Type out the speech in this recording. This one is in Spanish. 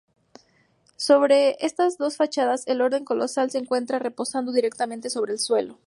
Sobre estas dos fachadas, el orden colosal se encuentra reposando directamente sobre el suelo.